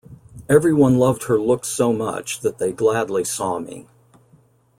Everyone loved her look so much that they gladly saw me.